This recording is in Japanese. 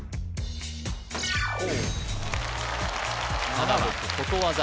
７番ことわざ